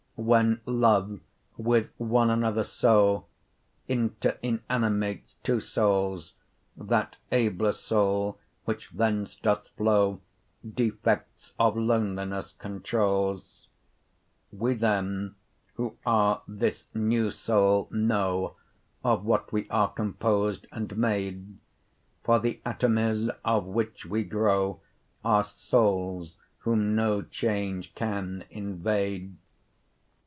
40 When love, with one another so Interinanimates two soules, That abler soule, which thence doth flow, Defects of lonelinesse controules. Wee then, who are this new soule, know, 45 Of what we are compos'd, and made, For, th'Atomies of which we grow, Are soules, whom no change can invade.